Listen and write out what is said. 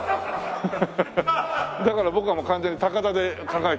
だから僕はもう完全に高田で考えて。